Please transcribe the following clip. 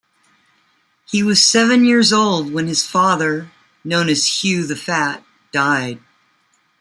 He was seven years old when his father, known as Hugh the Fat, died.